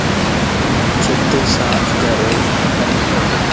ڇتَ صاف ڪَر